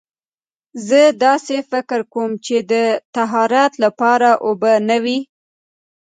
زه داسې فکر کوم چې طهارت لپاره اوبه نه وي.